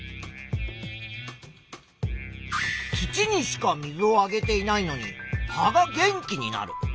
土にしか水をあげていないのに葉が元気になる。